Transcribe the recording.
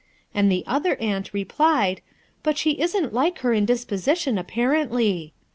And the other aunt replied, 'But she isn't like her in disposition, apparently.'